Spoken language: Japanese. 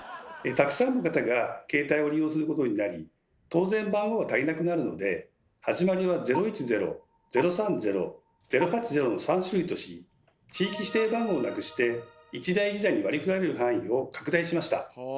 たくさんの方が携帯を利用することになり当然番号は足りなくなるので始まりは「０１０」「０３０」「０８０」の３種類とし地域指定番号をなくして一台一台に割り振られる範囲を拡大しました。